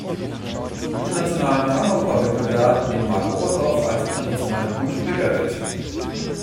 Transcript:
Internationalen Kammerchor-Wettbewerb in Marktoberdorf als „International gut“ bewertet.